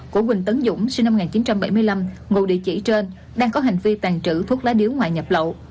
của huỳnh tấn dũng sinh năm một nghìn chín trăm bảy mươi năm ngụ địa chỉ trên đang có hành vi tàn trữ thuốc lá điếu ngoại nhập lậu